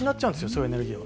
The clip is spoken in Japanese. そのエネルギーを。